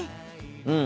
うん。